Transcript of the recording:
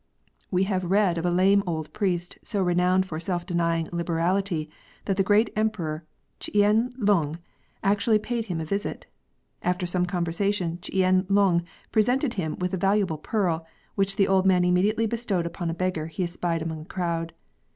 We have read of a lame old priest so renowned for self denying liberality that the great Emperor Ch'ien Lung actually paid him a visit. After some conversation Ch'ien Lung presented him with a valuable pearl, which the old man immediately bestowed upon a beggar he espied among the crowd.